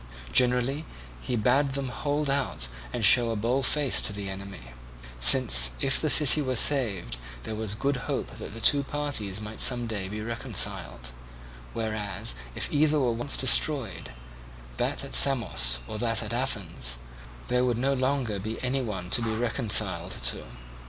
Generally, he bade them hold out and show a bold face to the enemy, since if the city were saved there was good hope that the two parties might some day be reconciled, whereas if either were once destroyed, that at Samos, or that at Athens, there would no longer be any one to be reconciled to.